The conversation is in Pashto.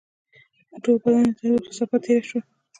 په ټول بدن يې د تودوخې څپه تېره شوه.